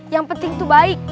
yang penting tuh baik